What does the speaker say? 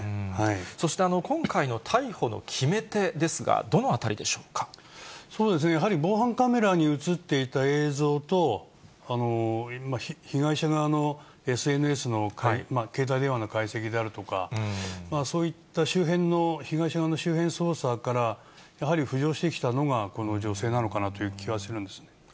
そして、今回の逮捕の決め手そうですね、やはり防犯カメラに写っていた映像と、被害者側のＳＮＳの携帯電話の解析であるとか、そういった周辺の、被害者側の周辺捜査から、やはり浮上してきたのがこの女性なのかなという気がするんですね。